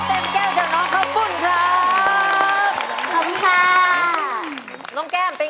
อัดรุมโทษกับคุณ